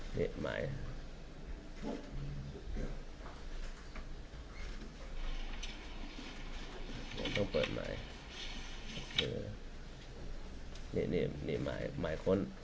ผมต้องเปิดหมาย